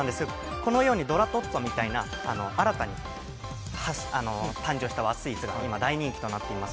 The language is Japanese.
このようにどらトッツォみたいに新たに誕生した和スイーツが今大人気となっています。